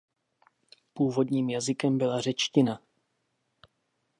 Původním jazykem byla řečtina.